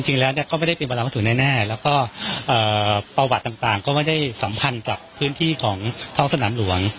จริงแล้วก็ไม่ได้เป็นเวลาวัตถุแน่แล้วก็ประวัติต่างก็ไม่ได้สัมพันธ์กับพื้นที่ของท้องสนามหลวง